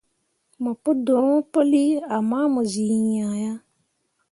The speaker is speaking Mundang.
Mo pu dorõo puli ama mo zii iŋya yah.